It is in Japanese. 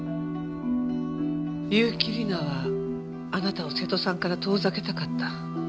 結城里奈はあなたを瀬戸さんから遠ざけたかった。